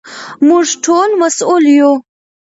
موږ ټول مسوول یو.